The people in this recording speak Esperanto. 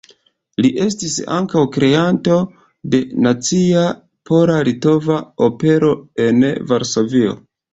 Li estis ankaŭ kreanto de nacia pola-litova opero en Varsovio.